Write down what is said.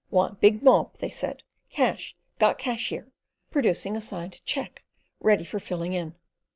"Want big mob," they said. "Cash! Got money here," producing a signed cheque ready for filling in.